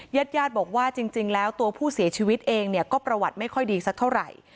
ญาติญาติบอกว่าจริงแล้วตัวผู้เสียชีวิตเองเนี่ยก็ประวัติไม่ค่อยดีสักเท่าไหร่